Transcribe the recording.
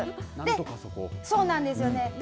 そうなんですよね。